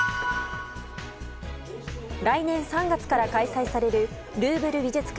来年３月から開催されるルーヴル美術館